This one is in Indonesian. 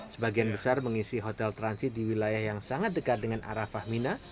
sebagian besar mengisi hotel transit di wilayah yang sangat dekat dengan arafah mina